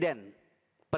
dan sebab itu